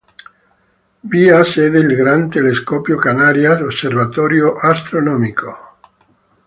Vi ha sede il Gran Telescopio Canarias, osservatorio astronomico.